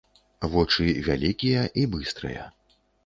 Вочы вялікія і быстрыя.